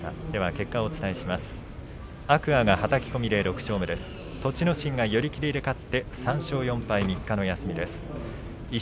結果をお伝えします。